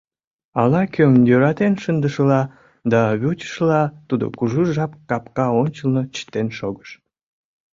Ала-кӧм йӧратен шындышыла да вучышыла тудо кужу жап капка ончылно чытен шогыш.